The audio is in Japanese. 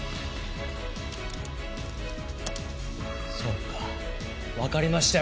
そうかわかりましたよ